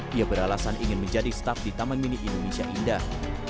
dia beralasan ingin menjadi staff di taman mini indonesia indah